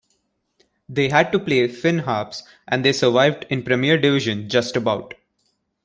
They had to play Finn Harps and they survived in Premier Division just about.